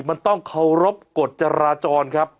มันต้องเคารพกฎจราจรครับ